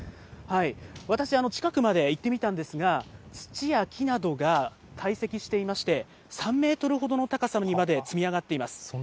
私、近くまで行ってみたんですが、土や木などが堆積していまして、３メートルほどの高さにまで積み上がっています。